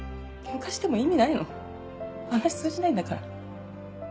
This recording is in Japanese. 話通じないんだから。